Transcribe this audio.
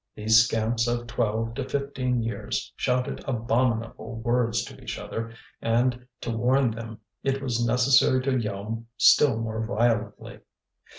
These scamps of twelve to fifteen years shouted abominable words to each other, and to warn them it was necessary to yell still more violently.